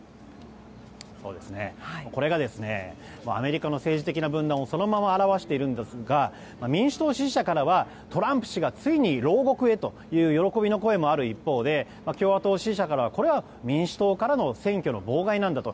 これがアメリカの政治的な分断をそのまま表しているんですが民主党支持者からはトランプ氏がついに牢獄へという喜びの声もある一方で共和党支持者からはこれは民主党支持者からの選挙の妨害なんだと。